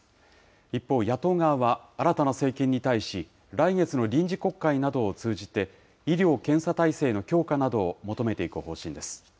一方、野党側は新たな政権に対し、来月の臨時国会などを通じて、医療・検査体制の強化などを求めていく方針です。